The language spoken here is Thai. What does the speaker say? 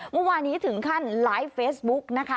เมื่อวานนี้ถึงขั้นไลฟ์เฟซบุ๊กนะคะ